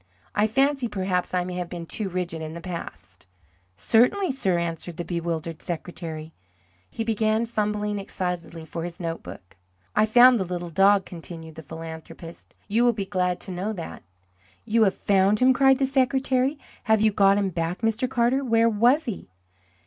I fancy perhaps I may have been too rigid in the past." "Certainly, sir," answered the bewildered secretary. He began fumbling excitedly for his note book. "I found the little dog," continued the philanthropist. "You will be glad to know that." "You have found him?" cried the secretary. "Have you got him back, Mr. Carter? Where was he?"